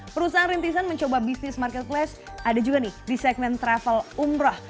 perusahaan rintisan mencoba bisnis marketplace ada juga nih di segmen travel umroh